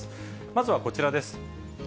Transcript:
まずはこちらです。